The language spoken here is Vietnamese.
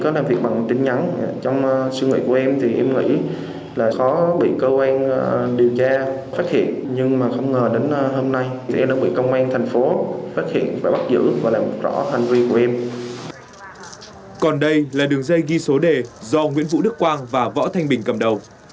đây là đường dây số đề do nguyễn vũ đức quang và võ thanh bình cầm đầu